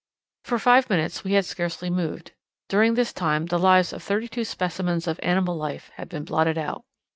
For five minutes we had scarcely moved. During this time the lives of thirty two specimens of animal life had been blotted out.